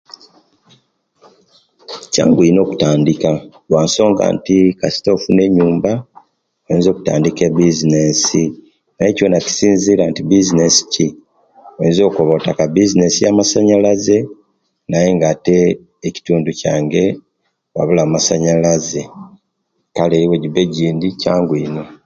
Kyangu ino okutandika lwansonga nti kasita ofuna enyumba oyinza okutandika ebisinesi aye kyona kisinzirira bisinesi ki oyinza okoba otaka bisinesi ya'masanyalaze naye nga ate ekitundu kyange wabula masanyalaze kale owejiba ejindi kyangu ino